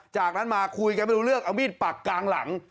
จากนั้นมาคุยกันไม่รู้เรื่องเอามีดปักกลางหลัง